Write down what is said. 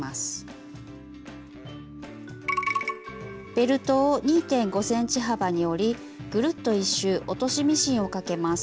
ベルトを２．５ｃｍ幅に折りぐるっと１周落としミシンをかけます。